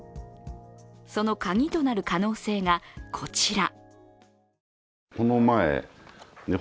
そのカギとなる可能性がこちら。